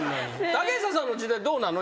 竹下さんの時代どうなの？